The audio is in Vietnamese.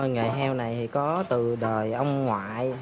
ngày heo này thì có từ đời ông ngoại